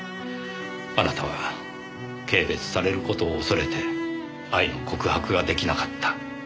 あなたは軽蔑される事を恐れて愛の告白ができなかった。